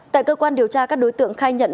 tại cơ quan điều tra các đối tượng khai nhận